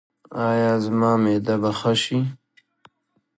ایا زما معده به ښه شي؟